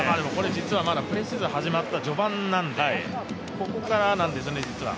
実はまだプレーシーズン始まった序盤なんで、ここからなんですよね、実は。